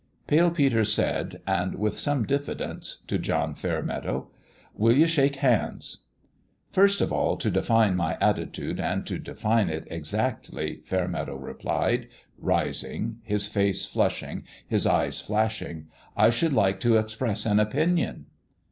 Pale Peter said and with some diffidence to John Fairmeadow : "Will you shake hands?" " First of all, to define my attitude, and to de fine it exactly," Fairmeadow replied, rising, his face flushing, his eyes flashing, " I should like to express an opinion."